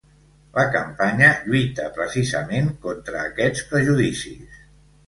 La campanya lluita precisament contra aquests prejudicis.